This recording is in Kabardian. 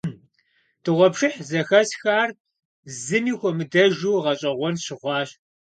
Дыгъуэпшыхь зэхэсхар зыми хуэмыдэжу гъэщӀэгъуэн сщыхъуащ.